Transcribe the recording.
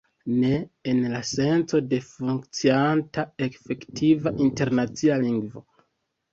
Ne en la senco de funkcianta, efektiva internacia lingvo.